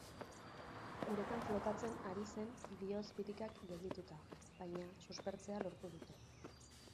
Uretan flotatzen ari zen, bihotz-birikak geldituta, baina suspertzea lortu dute.